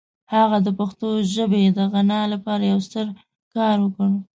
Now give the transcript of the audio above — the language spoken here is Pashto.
هغه د پښتو ژبې د غنا لپاره یو ستر کار وکړ.